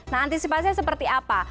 nah antisipasinya seperti apa